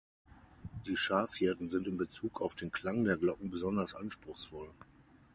Die Schafhirten sind in Bezug auf den Klang der Glocken besonders anspruchsvoll.